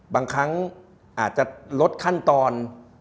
บางครั้งอาจจะลดขั้นตอน